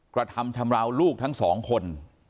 กระทำชำราวลูกทั้งสองคน